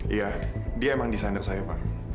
iya dia emang desainer saya pak